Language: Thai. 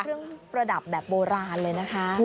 เป็นเครื่องประดับแบบโบราณเลยนะคะ